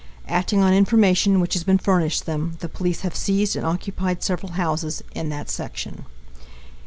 Acting on information which has been furnished them, the police have seized and occupied several houses in that section.